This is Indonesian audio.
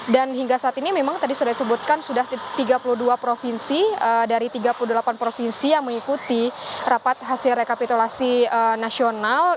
dan hingga saat ini memang tadi sudah disebutkan sudah tiga puluh dua provinsi dari tiga puluh delapan provinsi yang mengikuti rapat hasil rekapitulasi nasional